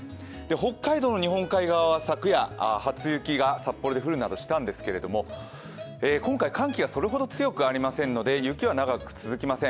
北海道の日本海側は昨夜、初雪が札幌で降るなどしたんですけれども、今回、寒気がそれほど強くありませんので、雪は長く続きません。